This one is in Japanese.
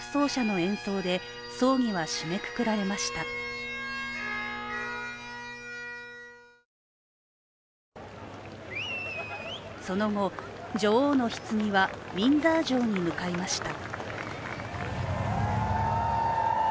その後、女王のひつぎはウィンザー城に向かいました。